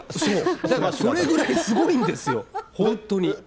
だからそれぐらいすごいんですよ、本当に。